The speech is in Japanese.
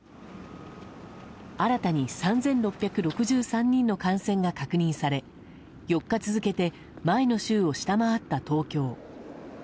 新たに３６６３人の感染が確認され４日続けて前の週を下回った東京。